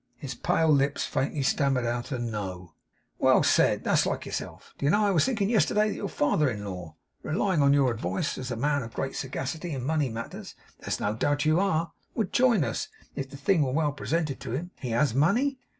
His pale lips faintly stammered out a 'No.' 'Well said! That's like yourself. Do you know I was thinking yesterday that your father in law, relying on your advice as a man of great sagacity in money matters, as no doubt you are, would join us, if the thing were well presented to him. He has money?